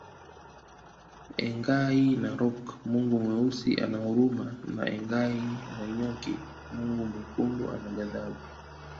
Engai Narok Mungu Mweusi ana huruma na Engai Nanyokie Mungu Mwekundu ana ghadhabu